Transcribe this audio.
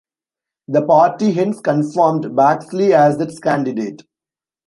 The party hence confirmed Baxley as its candidate.